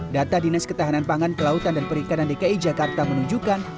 data dinas ketahanan pangan kelautan dan perikanan dki jakarta menunjukkan